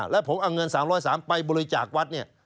แล้วผมเอาเงิน๓๐๓ไปบริจาควัดเนี่ย